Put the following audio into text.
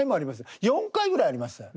４回ぐらいありましたよ。